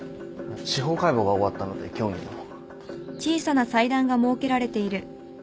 司法解剖が終わったので今日にでも。